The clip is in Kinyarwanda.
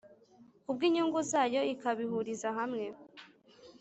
ku bw inyungu zayo ikabihuriza hamwe